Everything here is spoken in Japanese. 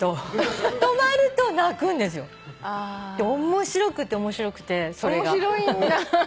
面白くて面白くてそれが。面白いんだ。